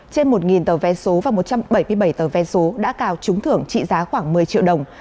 trên một tờ vé số và một trăm bảy mươi bảy tờ vé số đã cào trúng thưởng trị giá khoảng một mươi triệu đồng